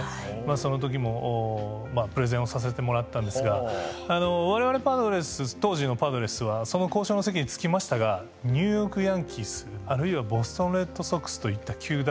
そのときもプレゼンをさせてもらったんですがわれわれ当時のパドレスはその交渉の席に着きましたがニューヨーク・ヤンキースあるいはボストン・レッドソックスといった球団がですね